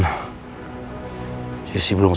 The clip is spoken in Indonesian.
jadi belum sempet buka buka hp